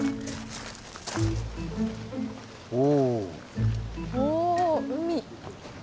お。